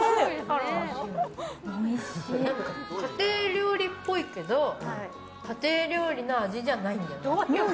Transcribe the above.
家庭料理っぽいけど家庭料理の味じゃないんだよな。